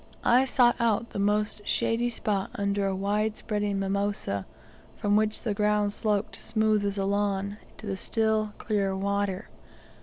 I sought out the most shady spot under a wide spreading mimosa, from which the ground sloped smooth as a lawn, to the still, clear water.